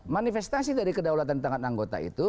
manifestasi dari kedaulatan tangan anggota itu